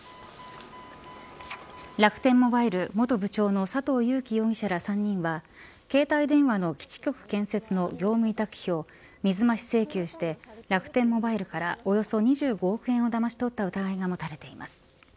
楽天モバイル元部長の佐藤友紀容疑者ら３人は携帯電話の基地局建設の業務委託費を水増し請求して楽天モバイルからおよそ２５億円をだまし取った疑いが持たれています。